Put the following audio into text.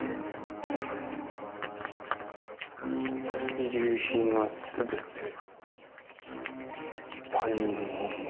遺留品は全て他人のもの。